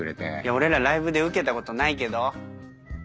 俺らライブでウケたことないけど。